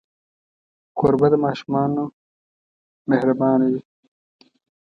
کوربه د ماشومانو مهربان وي.